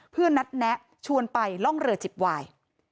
เพื่อนัดแนะชวนไปล่องเรือจิบวาย